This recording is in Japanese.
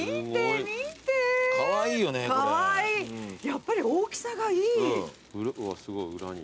やっぱり大きさがいい。